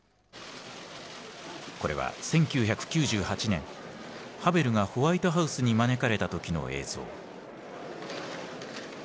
これは１９９８年ハヴェルがホワイトハウスに招かれた時の映像。